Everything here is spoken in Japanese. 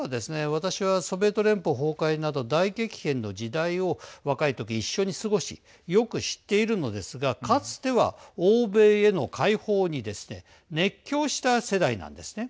私は、ソビエト連邦崩壊など大激変の時代を若い時、一緒に過ごしよく知っているのですがかつては、欧米への解放にですね熱狂した世代なんですね。